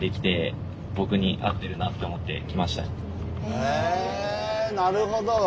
へえなるほど。